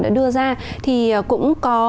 đã đưa ra thì cũng có